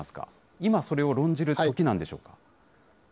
今それを論じるときなんでしょうか。